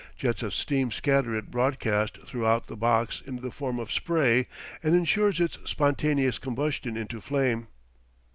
Jets of steam scatter it broadcast throughout the box in the form of spray, and insures its spontaneous combustion into flame.